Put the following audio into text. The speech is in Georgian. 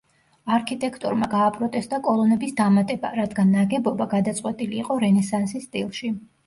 არქიტექტორმა გააპროტესტა კოლონების დამატება, რადგან ნაგებობა გადაწყვეტილი იყო რენესანსის სტილში.